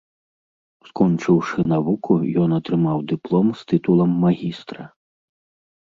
Скончыўшы навуку, ён атрымаў дыплом з тытулам магістра.